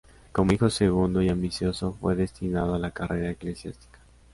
Como hijo segundo y ambicioso, fue destinado a la carrera eclesiástica.